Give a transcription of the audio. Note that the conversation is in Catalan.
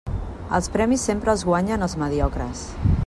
Els premis sempre els guanyen els mediocres.